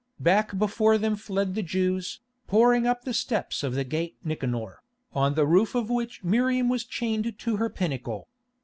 Back before them fled the Jews, pouring up the steps of the Gate Nicanor, on the roof of which Miriam was chained to her pinnacle.